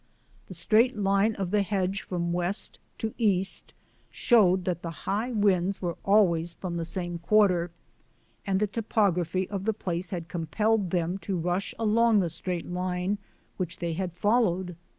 The straight line of the hedge from west to east showed that the high winds were always from the same quarter, and the topography of the place had compelled them to rush along the straight line which they had fol lowed.